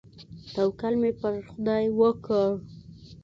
توکل مې پر خداى وکړ.